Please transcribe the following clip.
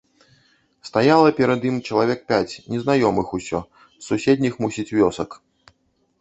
Стаяла перад ім чалавек пяць, незнаёмых усё, з суседніх, мусіць, вёсак.